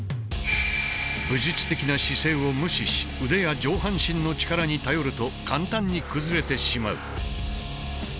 武術的な姿勢を無視し腕や上半身の力に頼ると簡単に崩れてしまう。